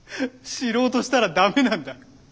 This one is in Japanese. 知ろうとしたらダメなんだ。